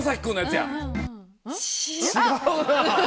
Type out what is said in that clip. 違う。